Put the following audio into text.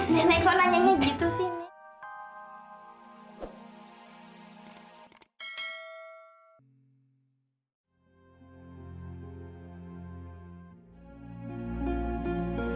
jenekon hanya gitu sih